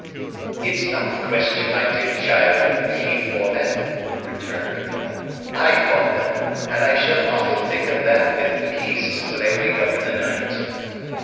"It's not the question, my dear child, who paid for them," returned Camilla. "I bought them. And I shall often think of that with peace, when I wake up in the night."